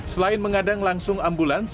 selain mengadang langsung ambulans